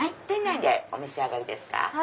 店内でお召し上がりですか？